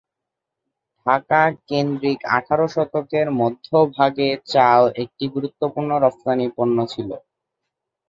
ঢাকা কেন্দ্রিক আঠারো শতকের মধ্যভাগে চাল একটি গুরুত্বপূর্ণ রফতানি পণ্য ছিল।